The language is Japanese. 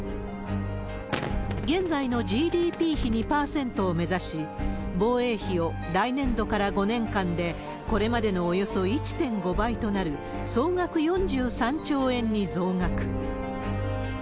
現在のＧＤＰ比２％を目指し、防衛費を来年度から５年間で、これまでのおよそ１．５倍となる、総額４３兆円に増額。